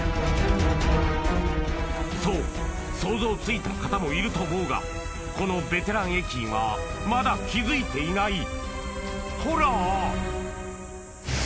そう想像ついた方もいると思うがこのベテラン駅員はまだ気付いていないほら！